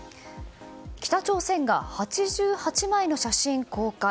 北朝鮮が８８枚の写真公開。